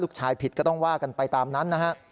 ผิดก็ต้องว่ากันไปตามนั้นนะฮะ